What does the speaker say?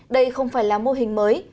đây không phải là mô hình mới